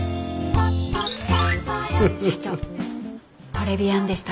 社長トレビアンでした。